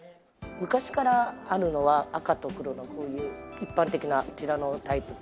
昔からあるのは赤と黒のこういう一般的なこちらのタイプ。